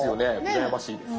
羨ましいです。